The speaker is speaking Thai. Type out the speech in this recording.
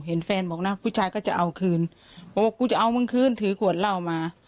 เห็นแฟนบอกนะผู้ชายก็จะเอาคืนบอกว่ากูจะเอามึงคืนถือขวดเหล้ามา